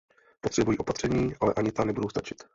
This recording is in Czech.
Potřebují opatření, ale ani ta nebudou stačit.